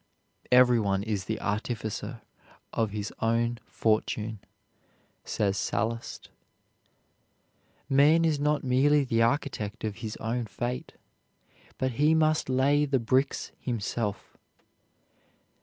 "Every one is the artificer of his own fortune," says Sallust. Man is not merely the architect of his own fate, but he must lay the bricks himself.